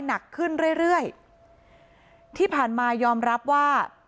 หนักขึ้นเรื่อยเรื่อยที่ผ่านมายอมรับว่า